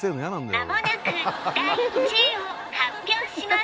間もなく第１位を発表します